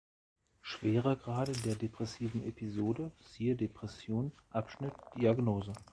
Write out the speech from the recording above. Schweregrade der depressiven Episode siehe Depression, Abschnitt Diagnose.